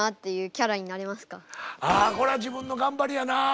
あこれは自分の頑張りやなあ。